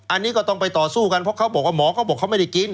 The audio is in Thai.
อันนี้ก็ต้องไปต่อสู้กันเพราะเขาบอกว่าหมอเขาบอกเขาไม่ได้กิน